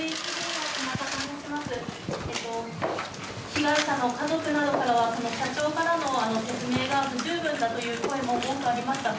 被害者の家族などから社長からの説明が不十分だという声も多くありました。